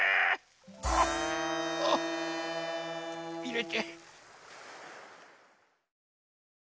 ああいれて。